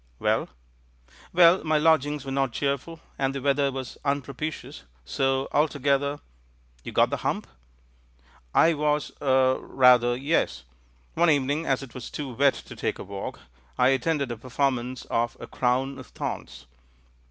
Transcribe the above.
"Well?" "Well, my lodgings were not cheerful, and the weather was unpropitious, so altogether " "You got the hump?" "I was — er — rather — yes. One evening, as it was too wet to take a walk, I attended a per formance of A Crown of Thorns.